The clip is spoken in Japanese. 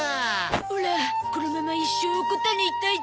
オラこのまま一生おこたにいたいゾ。